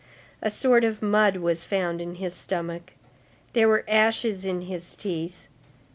A sort of mud was found in his stomach. There were ashes in his teeth.